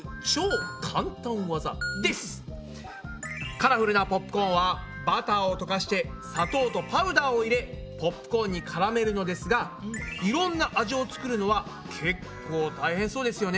カラフルなポップコーンはバターをとかして砂糖とパウダーを入れポップコーンにからめるのですがいろんな味を作るのはけっこう大変そうですよね。